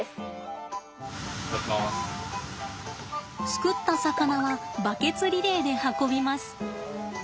すくった魚はバケツリレーで運びます。